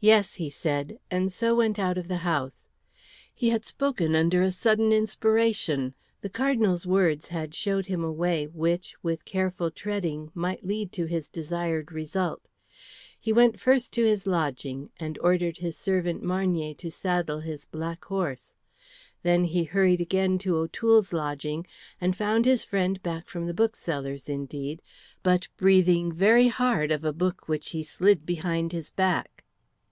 "Yes," he said, and so went out of the house. He had spoken under a sudden inspiration; the Cardinal's words had shown him a way which with careful treading might lead to his desired result. He went first to his lodging, and ordered his servant Marnier to saddle his black horse. Then he hurried again to O'Toole's lodging, and found his friend back from the bookseller's indeed, but breathing very hard of a book which he slid behind his back.